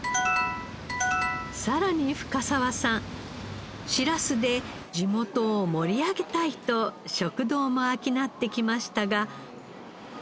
さらに深澤さんしらすで地元を盛り上げたいと食堂も商ってきましたが。